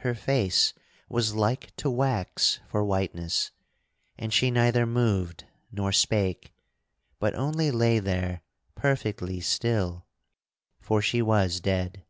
her face was like to wax for whiteness, and she neither moved nor spake, but only lay there perfectly still; for she was dead.